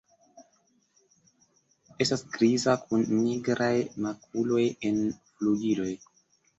Estas griza kun nigraj makuloj en flugiloj.